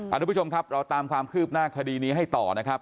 ทุกผู้ชมครับเราตามความคืบหน้าคดีนี้ให้ต่อนะครับ